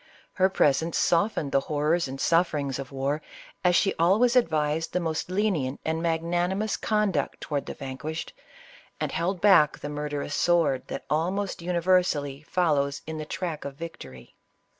Her presence softened the horrors and sufferings of war, as she always advised the most lenient and magnanimous conduct toward the vanquished, and held back the murderous sword that almost universally follows in the track of victory.